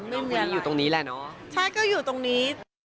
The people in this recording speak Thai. ไม่มีอะไรใช่ก็อยู่ตรงนี้